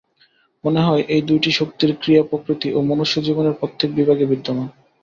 মনে হয়, এই দুইটি শক্তির ক্রিয়া প্রকৃতি ও মনুষ্যজীবনের প্রত্যেক বিভাগে বিদ্যমান।